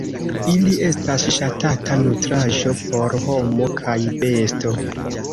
Ili estas ŝatata nutraĵo por homo kaj besto.